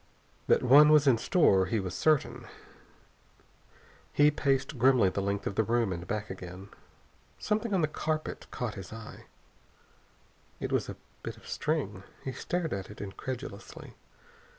That one was in store he was certain. He paced grimly the length of the room and back again.... Something on the carpet caught his eye. A bit of string. He stared at it incredulously.